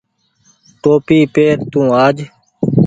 ٽوپي پير تو آج۔